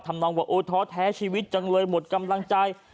นองว่าโอ้ท้อแท้ชีวิตจังเลยหมดกำลังใจ